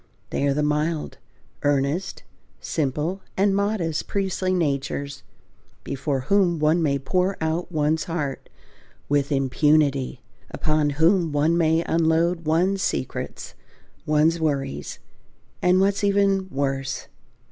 They are the mild, earnest, simple, and modest priestly natures ... before whom one may pour out one's heart with impunity, upon whom one may unload one's secrets, one's worries, and what's even worse."